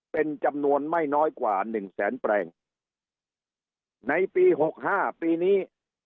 เป็นจำนวนไม่น้อยกว่าหนึ่งแสนแปลงในปีหกห้าปีนี้